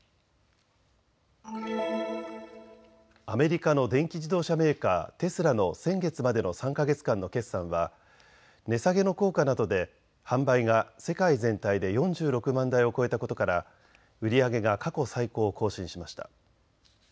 アメリカの電気自動車メーカー、テスラの先月までの３か月間の決算は値下げの効果などで販売が世界全体で４６万台を超えたことから売り上げが過去最高を更新しました。